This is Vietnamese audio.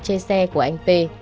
chê xe của anh p